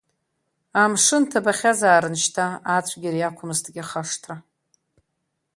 Амшын ҭабахьазаарын шьҭа, ацәгьара иақәмызҭгьы хашҭра.